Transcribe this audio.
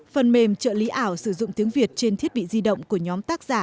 phần mềm trợ lý ảo sử dụng tiếng việt trên thiết bị di động của nhóm tác giả